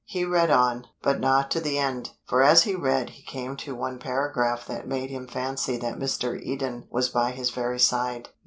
He read on, but not to the end; for as he read he came to one paragraph that made him fancy that Mr. Eden was by his very side.